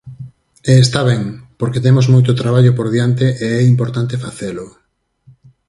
E está ben, porque temos moito traballo por diante e é importante facelo.